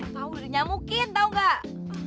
tau udah nyamukin tau gak